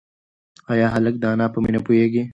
ایا هلک د انا په مینه پوهېږي؟